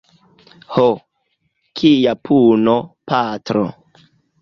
Ho, kia puno, patro!